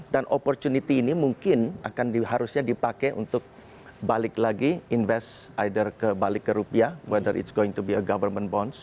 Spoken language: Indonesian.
dan opportunity ini mungkin akan diharusnya dipakai untuk balik lagi invest either ke balik ke rupiah whether it's going to be a government bonds